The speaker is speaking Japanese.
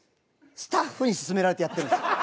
スタッフにすすめられてやってるんです。